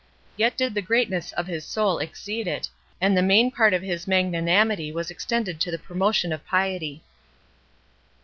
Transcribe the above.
Yet did the greatness of his soul exceed it, and the main part of his magnanimity was extended to the promotion of piety.